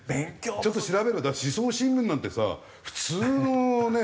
ちゃんと調べればだって『思想新聞』なんてさ普通のね